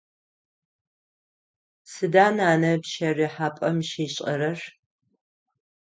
Сыда нанэ пщэрыхьапӏэм щишӏэрэр?